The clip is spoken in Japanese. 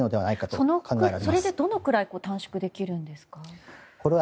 それでどのくらい短縮できますか？